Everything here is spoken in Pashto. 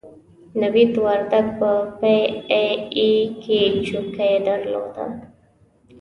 نوید وردګ په پي ای اې کې چوکۍ درلوده.